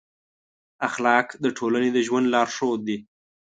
اخلاق د ټولنې د ژوند لارښود دي.